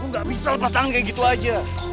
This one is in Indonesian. gue gak bisa lepas tangan kayak gitu aja